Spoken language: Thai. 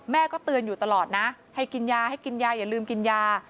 ก็เตือนอยู่ตลอดนะให้กินยาให้กินยาอย่าลืมกินยา